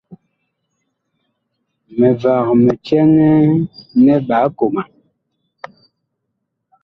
Mivag mi cɛŋɛ nɛ ɓaa koman.